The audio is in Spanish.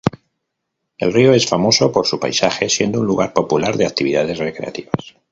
El río es famoso por su paisaje, siendo un lugar popular de actividades recreativas.